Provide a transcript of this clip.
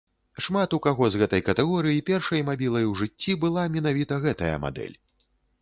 Шмат у каго з гэтай катэгорыі першай мабілай у жыцці была менавіта гэтая мадэль.